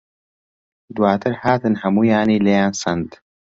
دواتر هاتن هەموویانی لێیان سەند.